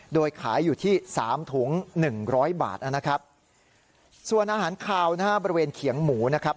โดยขายอยู่ที่สามถุงหนึ่งร้อยบาทนะครับส่วนอาหารคาวนะฮะบริเวณเขียงหมูนะครับ